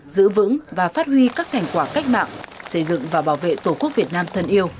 giữ vững và phát huy các thành quả cách mạng xây dựng và bảo vệ tổ quốc việt nam thân yêu